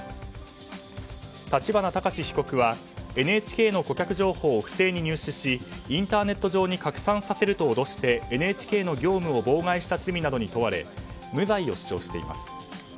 立花孝志被告はＮＨＫの顧客情報を不正に入手しインターネット上に拡散させると脅しＮＨＫの業務を妨害した罪などに問われ無罪を主張しています。